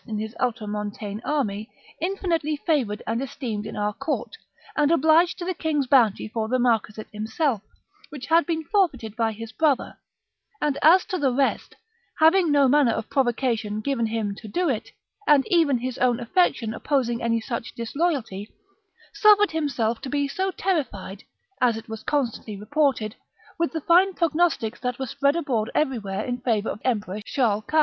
in his ultramontane army, infinitely favoured and esteemed in our court, and obliged to the king's bounty for the marquisate itself, which had been forfeited by his brother; and as to the rest, having no manner of provocation given him to do it, and even his own affection opposing any such disloyalty, suffered himself to be so terrified, as it was confidently reported, with the fine prognostics that were spread abroad everywhere in favour of the Emperor Charles V.